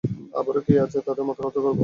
আবারও কি তাদের কাছে মাথা নত করব?